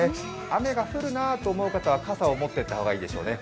雨が降るなと思う方は傘を持っていった方がいいでしょうね。